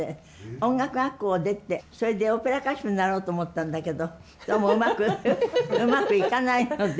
音楽学校を出てそれでオペラ歌手になろうと思ったんだけどどうもうまくうまくいかないので。